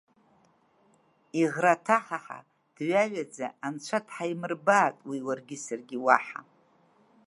Иӷра ҭаҳаҳа, дҩаҩаӡа Анцәа дҳаимырбааит уи уаргьы саргьы уаҳа.